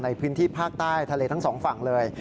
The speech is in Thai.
ในพื้นที่ภาคใต้ทะเลทั้งสองฝั่งเลย